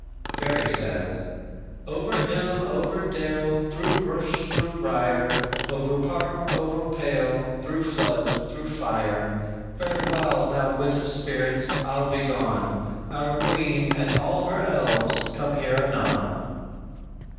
"_ Fairy says: _"Over hill, over dale, Through bush, through brier, Over park, over pale, Through flood, through fire, Farewell, thou wit of spirits, I'll be gone; Our queen and all her elves come here anon."